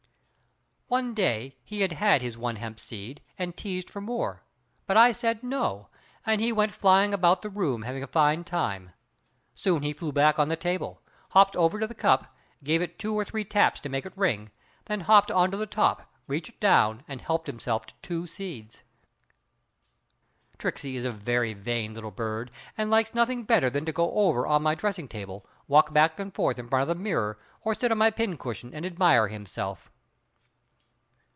One day he had had his one hemp seed, and teased for more, but I said "no" and he went flying about the room having a fine time. Soon he flew back on the table, hopped over to the cup, gave it two or three taps to make it ring, then hopped on to the top, reached down and helped himself to two seeds. Tricksey is a very vain little bird and likes nothing better than to go over on my dressing table, walk back and forth in front of the mirror or sit on my pin cushion and admire himself.